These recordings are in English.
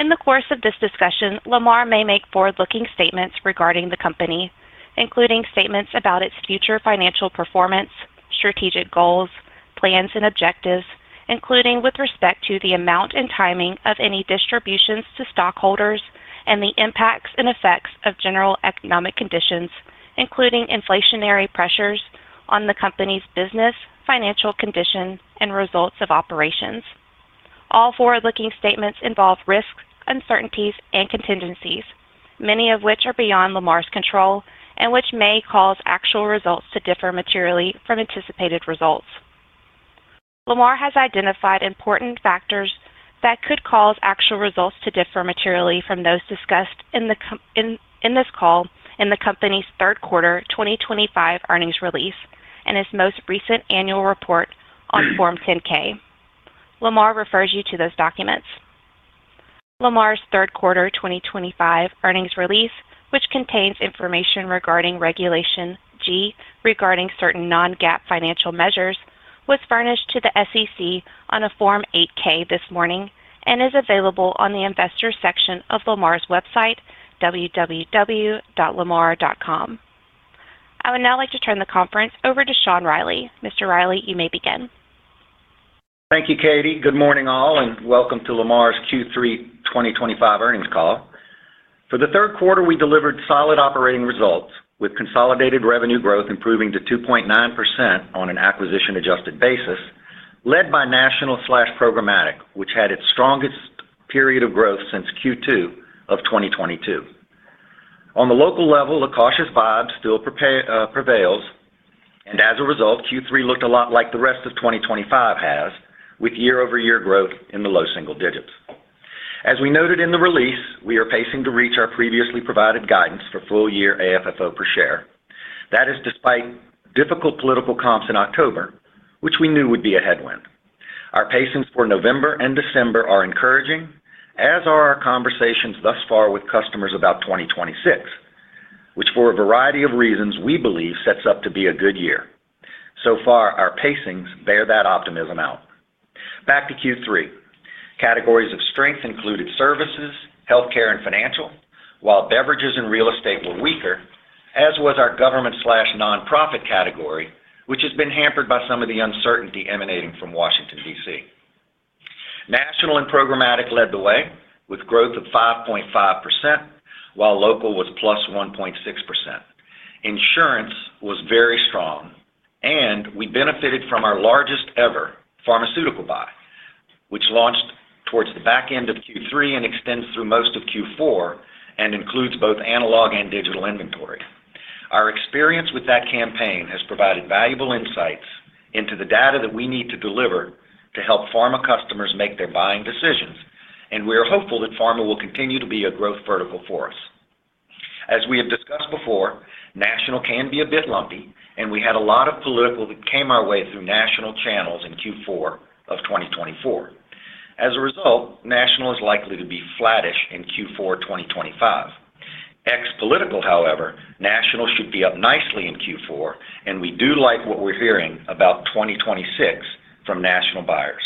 In the course of this discussion, Lamar may make forward-looking statements regarding the company, including statements about its future financial performance, strategic goals, plans, and objectives, including with respect to the amount and timing of any distributions to stockholders, and the impacts and effects of general economic conditions, including inflationary pressures on the company's business, financial condition, and results of operations. All forward-looking statements involve risks, uncertainties, and contingencies, many of which are beyond Lamar's control and which may cause actual results to differ materially from anticipated results. Lamar has identified important factors that could cause actual results to differ materially from those discussed in this call in the company's third-quarter 2025 earnings release and its most recent annual report on Form 10-K. Lamar refers you to those documents. Lamar's third-quarter 2025 earnings release, which contains information regarding Regulation G regarding certain non-GAAP financial measures, was furnished to the SEC on a Form 8-K this morning and is available on the investor section of Lamar's website, www.lamar.com. I would now like to turn the conference over to Sean Reilly. Mr. Reilly, you may begin. Thank you, Katie. Good morning, all, and welcome to Lamar's Q3 2025 earnings call. For the third quarter, we delivered solid operating results, with consolidated revenue growth improving to 2.9% on an acquisition-adjusted basis, led by national/programmatic, which had its strongest period of growth since Q2 of 2022. On the local level, a cautious vibe still prevails, and as a result, Q3 looked a lot like the rest of 2025 has, with year-over-year growth in the low single digits. As we noted in the release, we are pacing to reach our previously provided guidance for full-year AFFO per share. That is despite difficult political comps in October, which we knew would be a headwind. Our pacings for November and December are encouraging, as are our conversations thus far with customers about 2026. Which, for a variety of reasons, we believe sets up to be a good year. So far, our pacings bear that optimism out. Back to Q3. Categories of strength included services, healthcare, and financial, while beverages and real estate were weaker, as was our government/nonprofit category, which has been hampered by some of the uncertainty emanating from Washington, DC. National and programmatic led the way, with growth of 5.5%, while local was +1.6%. Insurance was very strong, and we benefited from our largest-ever pharmaceutical buy, which launched towards the back end of Q3 and extends through most of Q4 and includes both analog and digital inventory. Our experience with that campaign has provided valuable insights into the data that we need to deliver to help pharma customers make their buying decisions, and we are hopeful that pharma will continue to be a growth vertical for us. As we have discussed before, national can be a bit lumpy, and we had a lot of political that came our way through national channels in Q4 of 2024. As a result, national is likely to be flattish in Q4 2025. Ex-political, however, national should be up nicely in Q4, and we do like what we're hearing about 2026 from national buyers.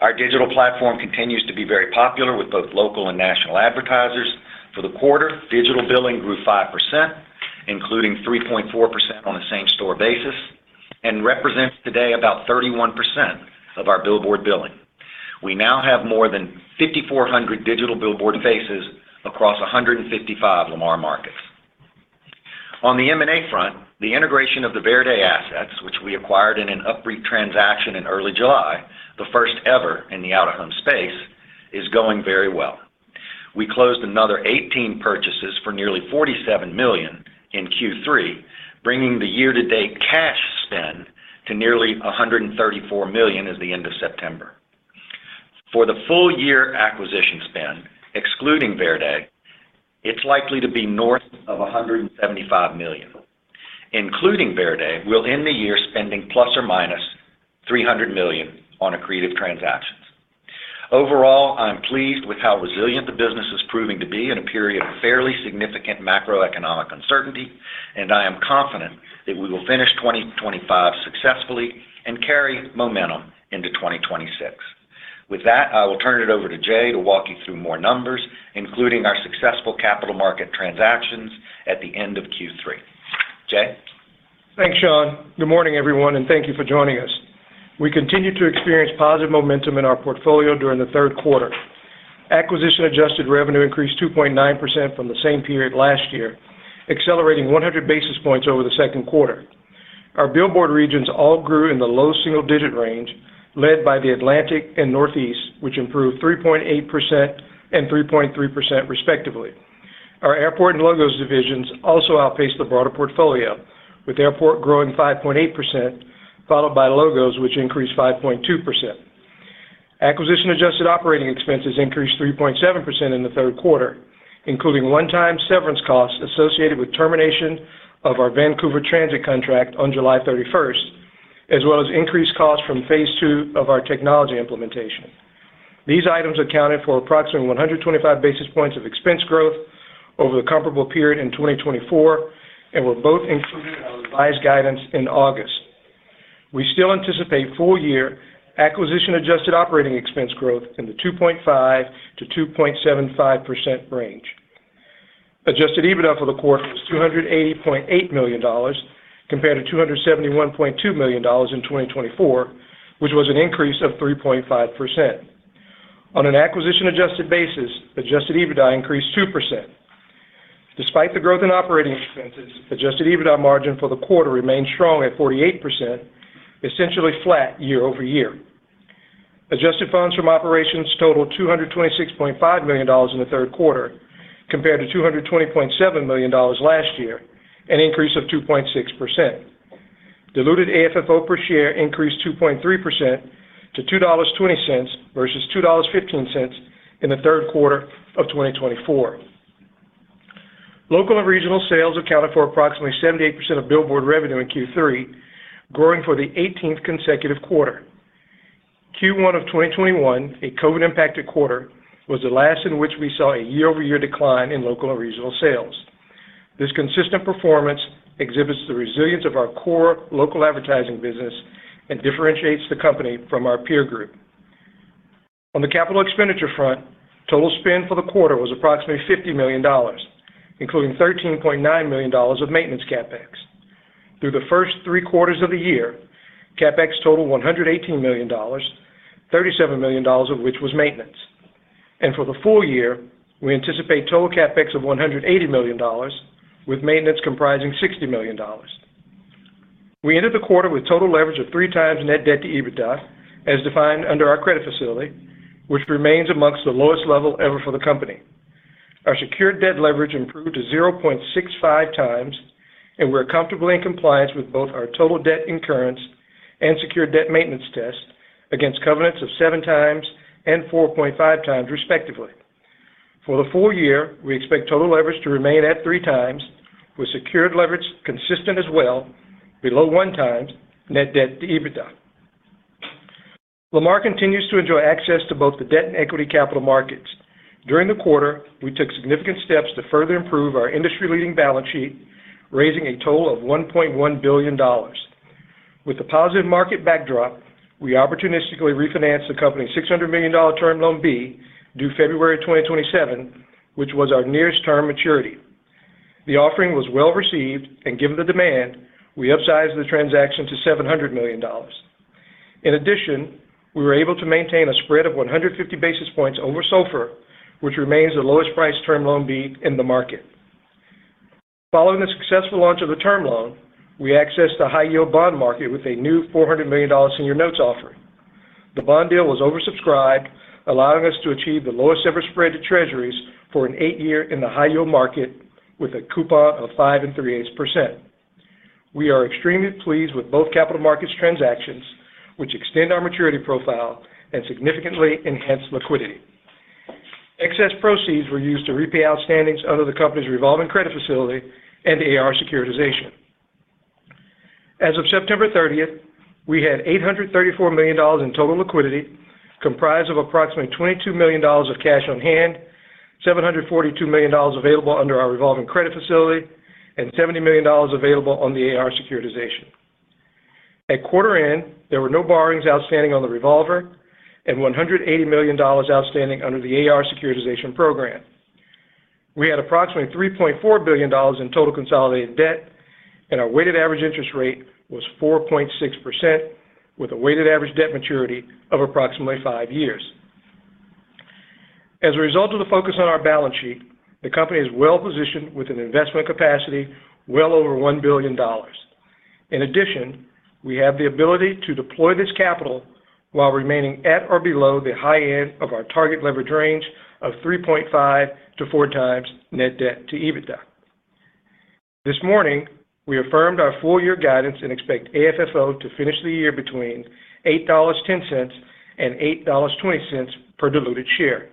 Our digital platform continues to be very popular with both local and national advertisers. For the quarter, digital billing grew 5%, including 3.4% on the same store basis, and represents today about 31% of our billboard billing. We now have more than 5,400 digital billboard faces across 155 Lamar markets. On the M&A front, the integration of the Verde assets, which we acquired in an upbeat transaction in early July, the first ever in the out-of-home space, is going very well. We closed another 18 purchases for nearly $47 million in Q3, bringing the year-to-date cash spend to nearly $134 million as the end of September. For the full-year acquisition spend, excluding Verde, it's likely to be north of $175 million, including Verde, will end the year spending ±$300 million on accretive transactions. Overall, I'm pleased with how resilient the business is proving to be in a period of fairly significant macroeconomic uncertainty, and I am confident that we will finish 2025 successfully and carry momentum into 2026. With that, I will turn it over to Jay to walk you through more numbers, including our successful capital market transactions at the end of Q3. Jay? Thanks, Sean. Good morning, everyone, and thank you for joining us. We continue to experience positive momentum in our portfolio during the third quarter. Acquisition-adjusted revenue increased 2.9% from the same period last year, accelerating 100 basis points over the second quarter. Our billboard regions all grew in the low single-digit range, led by the Atlantic and Northeast, which improved 3.8% and 3.3%, respectively. Our airport and logos divisions also outpaced the broader portfolio, with airport growing 5.8%, followed by logos, which increased 5.2%. Acquisition-adjusted operating expenses increased 3.7% in the third quarter, including one-time severance costs associated with termination of our Vancouver transit contract on July 31, as well as increased costs from phase two of our technology implementation. These items accounted for approximately 125 basis points of expense growth over the comparable period in 2024 and were both included in our revised guidance in August. We still anticipate full-year acquisition-adjusted operating expense growth in the 2.5%-2.75% range. Adjusted EBITDA for the quarter was $280.8 million compared to $271.2 million in 2024, which was an increase of 3.5%. On an acquisition-adjusted basis, Adjusted EBITDA increased 2%. Despite the growth in operating expenses, Adjusted EBITDA margin for the quarter remained strong at 48%, essentially flat year-over-year. Adjusted funds from operations totaled $226.5 million in the third quarter compared to $220.7 million last year, an increase of 2.6%. Diluted AFFO per share increased 2.3% to $2.20 versus $2.15 in the third quarter of 2024. Local and regional sales accounted for approximately 78% of billboard revenue in Q3, growing for the 18th consecutive quarter. Q1 of 2021, a COVID-impacted quarter, was the last in which we saw a year-over-year decline in local and regional sales. This consistent performance exhibits the resilience of our core local advertising business and differentiates the company from our peer group. On the capital expenditure front, total spend for the quarter was approximately $50 million, including $13.9 million of maintenance CapEx. Through the first three quarters of the year, CapEx totaled $118 million, $37 million of which was maintenance. For the full year, we anticipate total CapEx of $180 million, with maintenance comprising $60 million. We ended the quarter with total leverage of 3x net debt to EBITDA, as defined under our credit facility, which remains amongst the lowest level ever for the company. Our secured debt leverage improved to 0.65x, and we are comfortable in compliance with both our total debt incurrence and secured debt maintenance test against covenants of 7x and 4.5x, respectively. For the full year, we expect total leverage to remain at 3x, with secured leverage consistent as well, below 1x net debt to EBITDA. Lamar continues to enjoy access to both the debt and equity capital markets. During the quarter, we took significant steps to further improve our industry-leading balance sheet, raising a total of $1.1 billion. With the positive market backdrop, we opportunistically refinanced the company's $600 million term loan B due February 2027, which was our nearest term maturity. The offering was well received and, given the demand, we upsized the transaction to $700 million. In addition, we were able to maintain a spread of 150 basis points over SOFR, which remains the lowest-priced term loan B in the market. Following the successful launch of the term loan, we accessed the high-yield bond market with a new $400 million senior notes offering. The bond deal was oversubscribed, allowing us to achieve the lowest-ever spread to treasuries for an eight-year in the high-yield market, with a coupon of 5.38%. We are extremely pleased with both capital markets transactions, which extend our maturity profile and significantly enhance liquidity. Excess proceeds were used to repay outstandings under the company's revolving credit facility and AR securitization. As of September 30th, we had $834 million in total liquidity, comprised of approximately $22 million of cash on hand, $742 million available under our revolving credit facility, and $70 million available on the AR securitization. At quarter end, there were no borrowings outstanding on the revolver and $180 million outstanding under the AR securitization program. We had approximately $3.4 billion in total consolidated debt, and our weighted average interest rate was 4.6%, with a weighted average debt maturity of approximately five years. As a result of the focus on our balance sheet, the company is well positioned with an investment capacity well over $1 billion. In addition, we have the ability to deploy this capital while remaining at or below the high end of our target leverage range of 3.5x-4x net debt to EBITDA. This morning, we affirmed our full-year guidance and expect AFFO to finish the year between $8.10 and $8.20 per diluted share.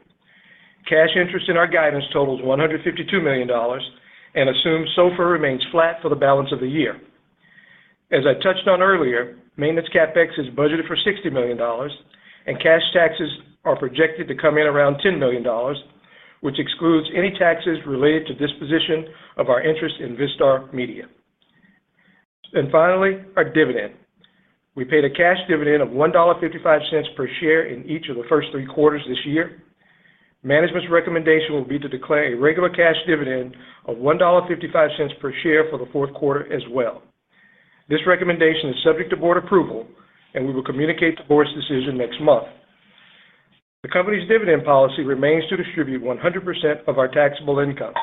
Cash interest in our guidance totals $152 million, and assumed SOFR remains flat for the balance of the year. As I touched on earlier, maintenance CapEx is budgeted for $60 million, and cash taxes are projected to come in around $10 million, which excludes any taxes related to disposition of our interest in Vistar Media. Finally, our dividend. We paid a cash dividend of $1.55 per share in each of the first three quarters this year. Management's recommendation will be to declare a regular cash dividend of $1.55 per share for the fourth quarter as well. This recommendation is subject to board approval, and we will communicate the board's decision next month. The company's dividend policy remains to distribute 100% of our taxable income,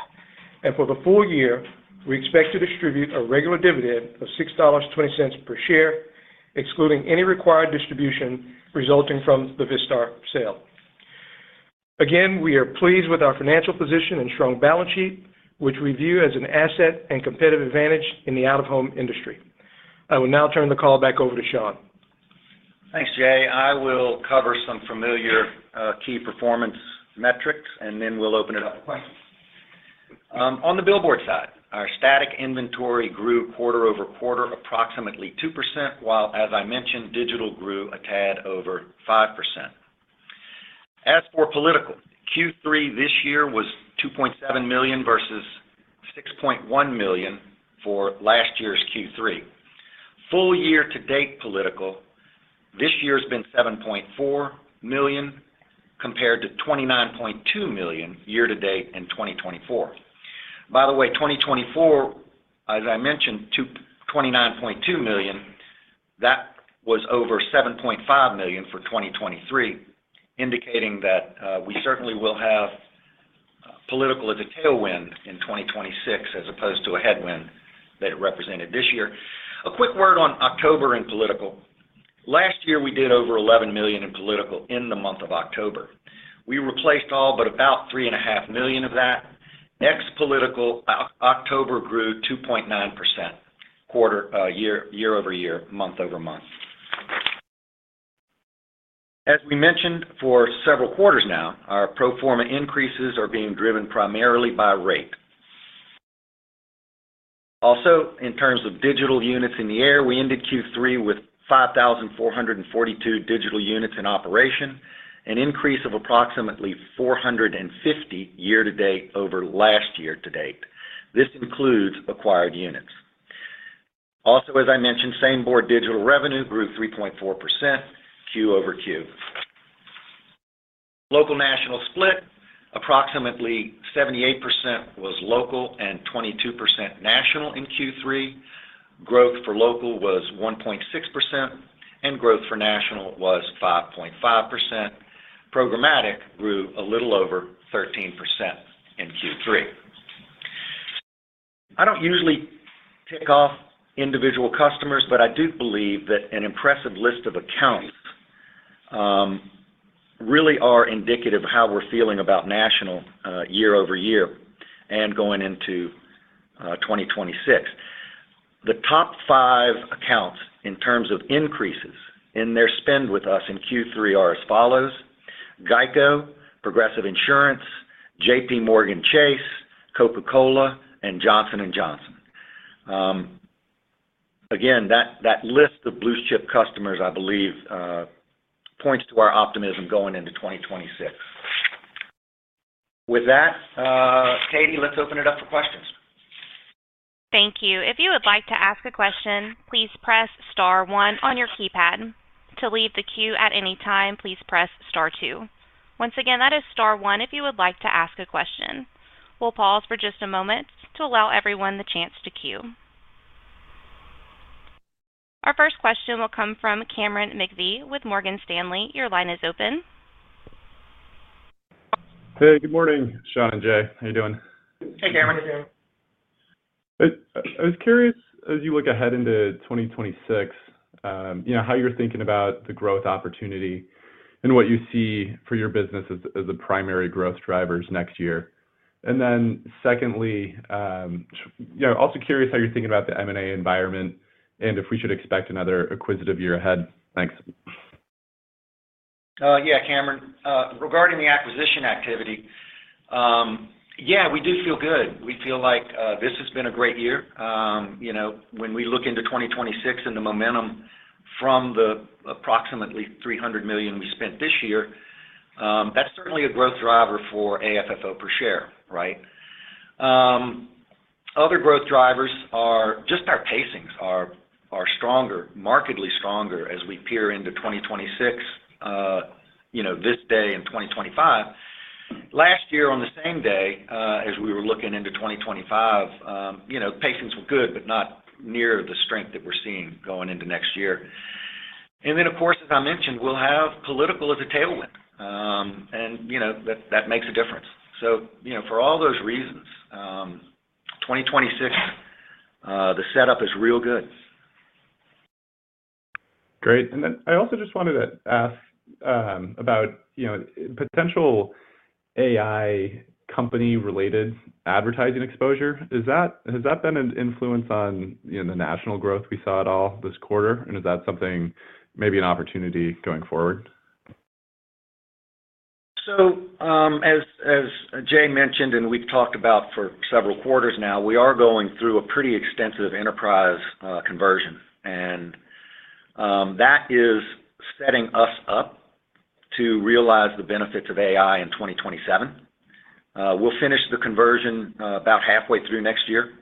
and for the full year, we expect to distribute a regular dividend of $6.20 per share, excluding any required distribution resulting from the Vistar sale. Again, we are pleased with our financial position and strong balance sheet, which we view as an asset and competitive advantage in the out-of-home industry. I will now turn the call back over to Sean. Thanks, Jay. I will cover some familiar key performance metrics, and then we'll open it up for questions. On the billboard side, our static inventory grew quarter over quarter approximately 2%, while, as I mentioned, digital grew a tad over 5%. As for political, Q3 this year was $2.7 million versus $6.1 million for last year's Q3. Full-year-to-date political this year has been $7.4 million compared to $29.2 million year-to-date in 2024. By the way, 2024, as I mentioned, $29.2 million, that was over $7.5 million for 2023, indicating that we certainly will have political as a tailwind in 2026 as opposed to a headwind that it represented this year. A quick word on October in political. Last year, we did over $11 million in political in the month of October. We replaced all but about $3.5 million of that. Next political, October grew 2.9%. Quarter year-over-year, month-over-month. As we mentioned, for several quarters now, our pro forma increases are being driven primarily by rate. Also, in terms of digital units in the air, we ended Q3 with 5,442 digital units in operation, an increase of approximately 450 year-to-date over last year-to-date. This includes acquired units. Also, as I mentioned, same board digital revenue grew 3.4% Q-over-Q. Local-national split, approximately 78% was local and 22% national in Q3. Growth for local was 1.6%, and growth for national was 5.5%. Programmatic grew a little over 13% in Q3. I do not usually tick off individual customers, but I do believe that an impressive list of accounts really are indicative of how we are feeling about national year-over-year and going into 2026. The top five accounts in terms of increases in their spend with us in Q3 are as follows: Geico, Progressive Insurance, JPMorgan Chase, Coca-Cola, and Johnson & Johnson. Again, that list of blue-chip customers, I believe, points to our optimism going into 2026. With that, Katie, let's open it up for questions. Thank you. If you would like to ask a question, please press star one on your keypad. To leave the queue at any time, please press star two. Once again, that is star one if you would like to ask a question. We'll pause for just a moment to allow everyone the chance to queue. Our first question will come from Cameron McVeigh with Morgan Stanley. Your line is open. Hey, good morning, Sean and Jay. How you doing? Hey, Cameron. Hey, Jay. I was curious, as you look ahead into 2026, how you're thinking about the growth opportunity and what you see for your business as the primary growth drivers next year. Secondly, also curious how you're thinking about the M&A environment and if we should expect another acquisitive year ahead. Thanks. Yeah, Cameron. Regarding the acquisition activity. Yeah, we do feel good. We feel like this has been a great year. When we look into 2026 and the momentum from the approximately $300 million we spent this year, that's certainly a growth driver for AFFO per share, right? Other growth drivers are just our pacings are stronger, markedly stronger as we peer into 2026. This day in 2025. Last year, on the same day as we were looking into 2025. Pacings were good, but not near the strength that we're seeing going into next year. Of course, as I mentioned, we'll have political as a tailwind. That makes a difference. For all those reasons, 2026, the setup is real good. Great. I also just wanted to ask about potential AI company-related advertising exposure. Has that been an influence on the national growth we saw at all this quarter? Is that something, maybe an opportunity going forward? As Jay mentioned, and we've talked about for several quarters now, we are going through a pretty extensive enterprise conversion. That is setting us up to realize the benefits of AI in 2027. We'll finish the conversion about halfway through next year.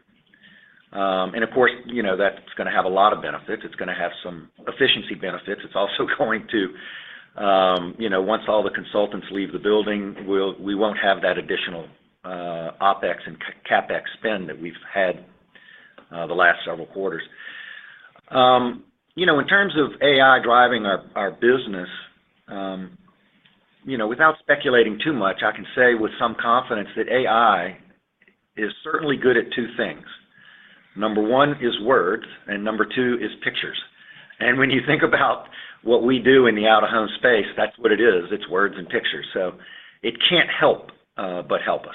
Of course, that's going to have a lot of benefits. It's going to have some efficiency benefits. Once all the consultants leave the building, we won't have that additional OpEx and CapEx spend that we've had the last several quarters. In terms of AI driving our business, without speculating too much, I can say with some confidence that AI is certainly good at two things. Number one is words, and number two is pictures. When you think about what we do in the out-of-home space, that's what it is. It's words and pictures. It can't help but help us.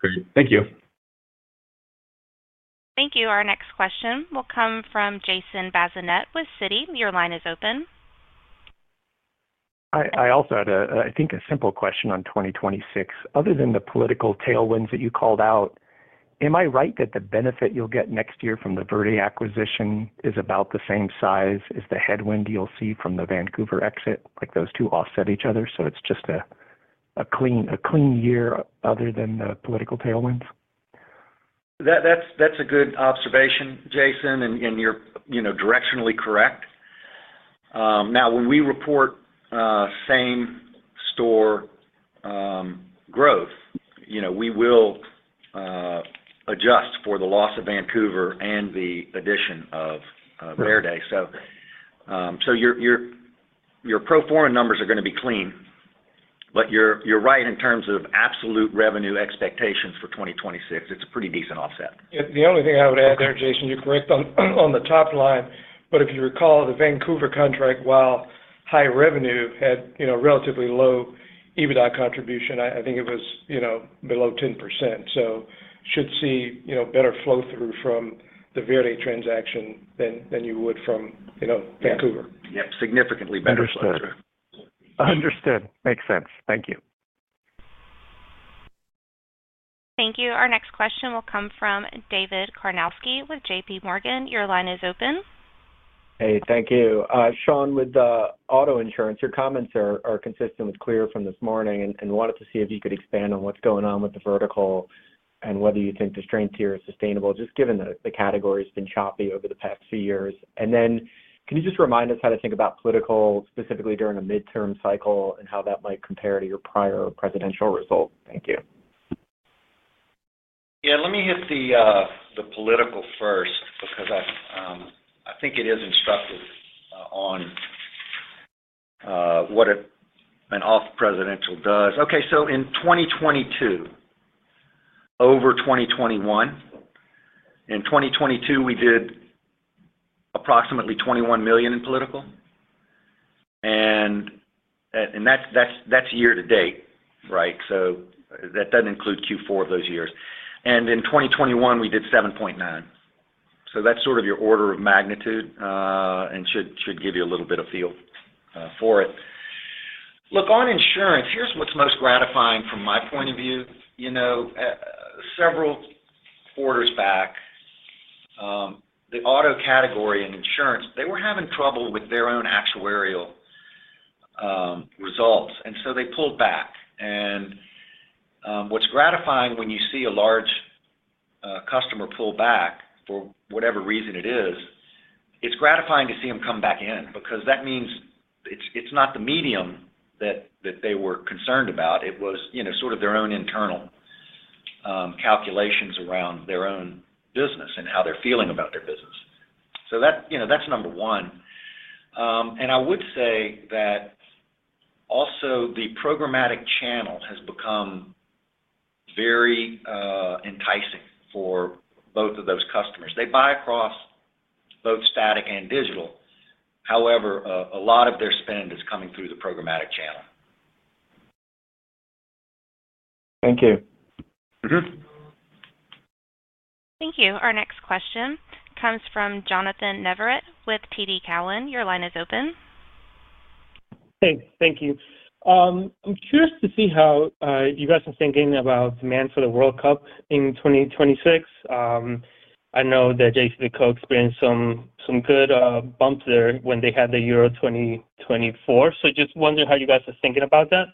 Great. Thank you. Thank you. Our next question will come from Jason Bazinet with Citi. Your line is open. Hi. I also had, I think, a simple question on 2026. Other than the political tailwinds that you called out, am I right that the benefit you'll get next year from the Verde acquisition is about the same size as the headwind you'll see from the Vancouver exit? Like those two offset each other, so it's just a clean year other than the political tailwinds? That's a good observation, Jason, and you're directionally correct. Now, when we report same store growth, we will adjust for the loss of Vancouver and the addition of Verde. Your pro forma numbers are going to be clean, but you're right in terms of absolute revenue expectations for 2026. It's a pretty decent offset. The only thing I would add there, Jason, you're correct on the top line, but if you recall, the Vancouver contract, while high revenue, had relatively low EBITDA contribution. I think it was below 10%. So should see better flow-through from the Verde transaction than you would from Vancouver. Yep. Significantly better flow-through. Understood. Makes sense. Thank you. Thank you. Our next question will come from David Karnovsky with JPMorgan. Your line is open. Hey. Thank you. Sean, with auto insurance, your comments are consistent with Clear from this morning, and wanted to see if you could expand on what's going on with the vertical and whether you think the strain tier is sustainable, just given that the category has been choppy over the past few years. Can you just remind us how to think about political, specifically during a midterm cycle, and how that might compare to your prior presidential result? Thank you. Yeah. Let me hit the political first because I think it is instructive on what an off-presidential does. Okay. In 2022, over 2021, in 2022, we did approximately $21 million in political. That's year-to-date, right? That does not include Q4 of those years. In 2021, we did $7.9 million. That's sort of your order of magnitude and should give you a little bit of feel for it. Look, on insurance, here's what's most gratifying from my point of view. Several quarters back, the auto category and insurance, they were having trouble with their own actuarial results, and so they pulled back. What's gratifying when you see a large customer pull back for whatever reason, it's gratifying to see them come back in because that means it's not the medium that they were concerned about. It was sort of their own internal. Calculations around their own business and how they're feeling about their business. That's number one. I would say that also the programmatic channel has become very enticing for both of those customers. They buy across both static and digital. However, a lot of their spend is coming through the programmatic channel. Thank you. Thank you. Our next question comes from Jonnathan Navarrete with TD Cowen. Your line is open. Hey. Thank you. I'm curious to see how you guys are thinking about demand for the World Cup in 2026. I know that JCDecaux experienced some good bumps there when they had the Euro 2024. So just wondering how you guys are thinking about that.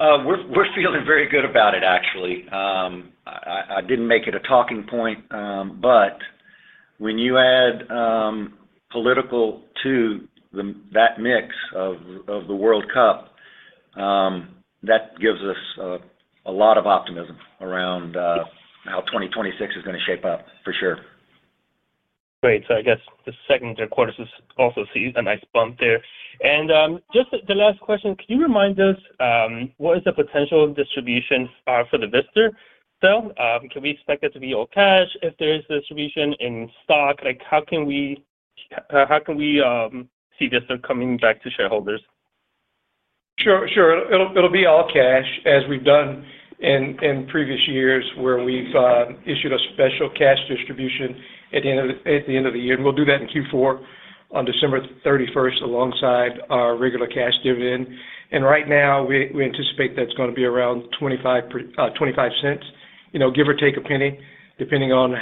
We're feeling very good about it, actually. I didn't make it a talking point, but when you add political to that mix of the World Cup, that gives us a lot of optimism around how 2026 is going to shape up, for sure. Great. I guess the second quarter also sees a nice bump there. Just the last question, can you remind us what is the potential distribution for Vistar? Can we expect it to be all cash, or is there a distribution in stock? How can we see Vistar coming back to shareholders? Sure. Sure. It'll be all cash, as we've done in previous years where we've issued a special cash distribution at the end of the year. We'll do that in Q4 on December 31st alongside our regular cash dividend. Right now, we anticipate that's going to be around $0.25, give or take a penny, depending on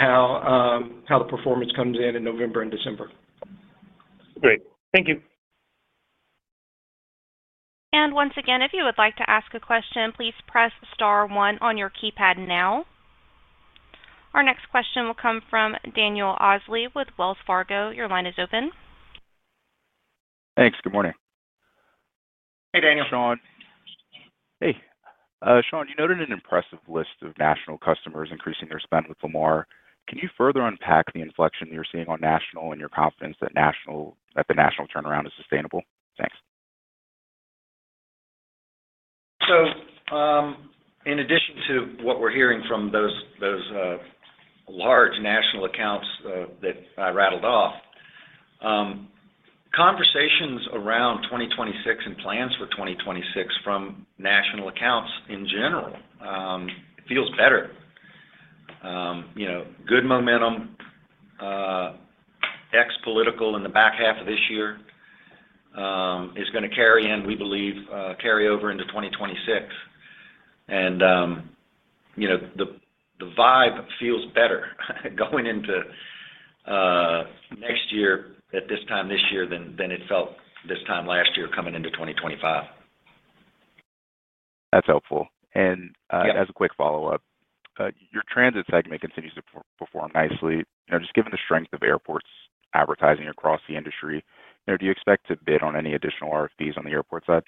how the performance comes in in November and December. Great. Thank you. Once again, if you would like to ask a question, please press star one on your keypad now. Our next question will come from Daniel Osley with Wells Fargo. Your line is open. Thanks. Good morning. Hey, Daniel Osley. Hey. Sean, you noted an impressive list of national customers increasing their spend with Lamar. Can you further unpack the inflection you're seeing on national and your confidence that the national turnaround is sustainable? Thanks. In addition to what we're hearing from those large national accounts that I rattled off, conversations around 2026 and plans for 2026 from national accounts in general, it feels better. Good momentum, ex-political in the back half of this year, is going to carry in, we believe, carry over into 2026. The vibe feels better going into next year at this time this year than it felt this time last year coming into 2025. That's helpful. As a quick follow-up, your transit segment continues to perform nicely. Just given the strength of airport advertising across the industry, do you expect to bid on any additional RFPs on the airport side?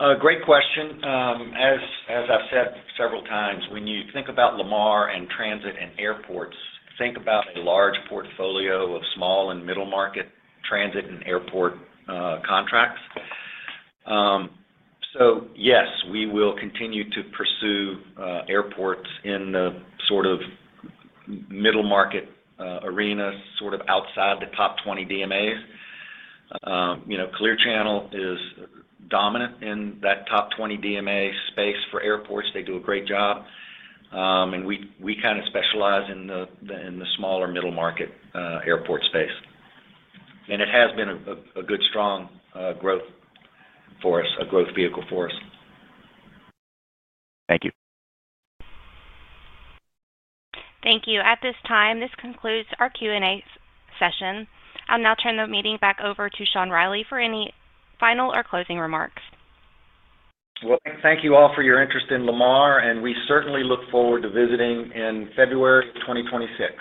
Thanks. Great question. As I've said several times, when you think about Lamar and transit and airports, think about a large portfolio of small and middle-market transit and airport contracts. Yes, we will continue to pursue airports in the sort of middle-market arena, sort of outside the top 20 DMAs. Clear Channel is dominant in that top 20 DMA space for airports. They do a great job. We kind of specialize in the small or middle-market airport space. It has been a good, strong growth for us, a growth vehicle for us. Thank you. Thank you. At this time, this concludes our Q&A session. I'll now turn the meeting back over to Sean Reilly for any final or closing remarks. Thank you all for your interest in Lamar, and we certainly look forward to visiting in February of 2026.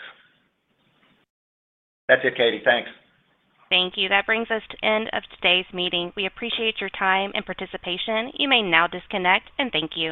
That's it, Katie. Thanks. Thank you. That brings us to the end of today's meeting. We appreciate your time and participation. You may now disconnect, and thank you.